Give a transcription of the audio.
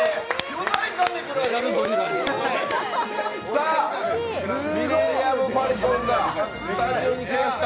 さあ、ミレニアム・ファルコンがスタジオに来ました。